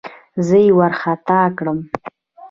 زه يې وارخطا کړم.